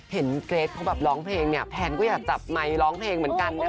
เกรทเขาแบบร้องเพลงเนี่ยแพนก็อยากจับไมค์ร้องเพลงเหมือนกันนะคะ